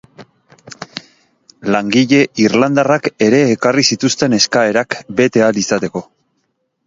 Langile irlandarrak ere ekarri zituzten eskaerak bete ahal izateko.